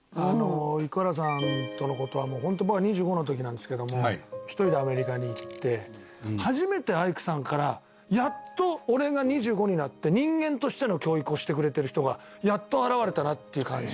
生原さんとのことは本当僕が２５のときなんですけど、１人でアメリカに行って、初めてアイクさんからやっと俺が２５になって、人間としての教育をしてくれてる人がやっと現れたなって感じ。